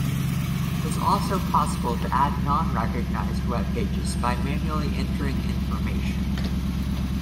It was also possible to add non-recognised webpages by manually entering information.